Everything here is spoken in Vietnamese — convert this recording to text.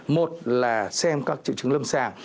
một là xem các triệu chứng lâm sàng